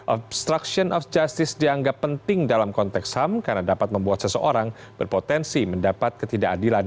obstruction of justice dianggap penting dalam konteks ham karena dapat membuat seseorang berpotensi mendapat ketidakadilan